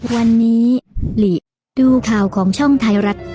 วันนี้หลีดูข่าวของช่องไทยรัฐ